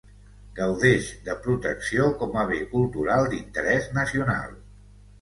Gaudeix de protecció com a bé cultural d'interès nacional.